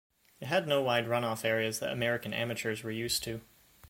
It had no wide run-off areas that American amateurs were used to.